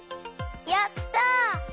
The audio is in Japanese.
やった！